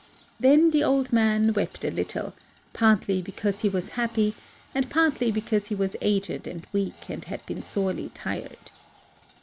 Then the old man wept a little, partly be cause he was happy, and partly because he was aged and weak and had been sorely tried.